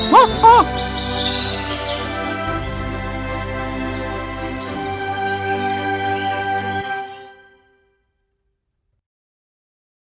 jangan lupa untuk memberi komentar like dan subscribe